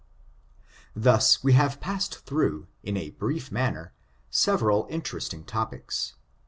Thus we have passed through, in a brief manner, several interesting topics.